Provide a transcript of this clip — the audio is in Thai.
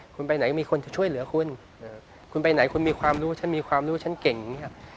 คุณไปไหนมีคนจะช่วยเหลือคุณคุณไปไหนคุณมีความรู้ฉันมีความรู้ฉันเก่งอย่างนี้ครับ